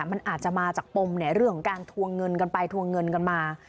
มันอาจจะมาจากปมเรื่องของการทวงเงินกันไปทวงเงินกันมา